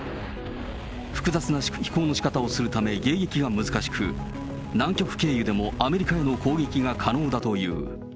複雑な飛行のしかたをするため迎撃が難しく、南極経由でもアメリカへの攻撃が可能だという。